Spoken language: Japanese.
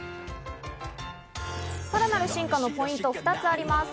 さらなる進化のポイント、２つあります。